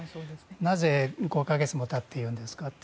なぜ、５か月もたってから言うんですかと。